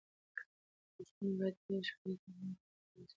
لګښتونه باید د یوې شفافې تګلارې له مخې تنظیم شي.